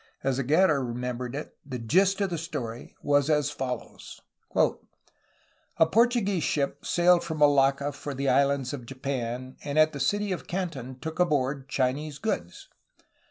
As Aguirre remembered it, the gist of the story was as follows: "A Portuguese ship sailed from Malacca for the islands of Japan and at the city of Canton took on board Chinese goods.